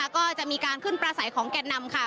ก็จะมีการขึ้นประสัยของแก่นนำ